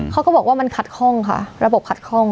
เขาก็บอกว่ามันขัดข้องค่ะระบบขัดคล่อง